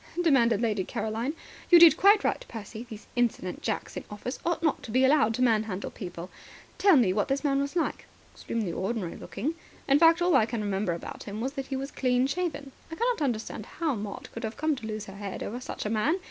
demanded Lady Caroline. "You did quite right, Percy. These insolent jacks in office ought not to be allowed to manhandle people. Tell me, what this man was like?" "Extremely ordinary looking. In fact, all I can remember about him was that he was clean shaven. I cannot understand how Maud could have come to lose her head over such a man.